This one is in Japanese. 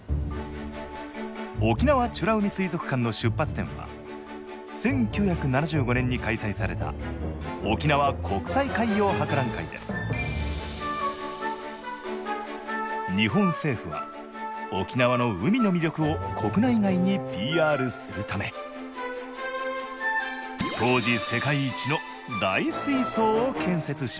沖縄美ら海水族館の出発点は１９７５年に開催された沖縄国際海洋博覧会です日本政府は沖縄の海の魅力を国内外にＰＲするため当時世界一の大水槽を建設しました。